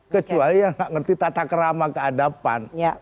kecuali yang gak ngerti tata kerama keadaban